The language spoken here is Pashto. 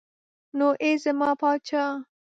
نو ای زما پادشاه.